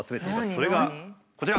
それがこちら！